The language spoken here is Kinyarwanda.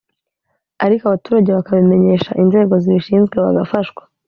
ariko abaturage bakabimenyesha inzego zibishinzwe bagafashwa.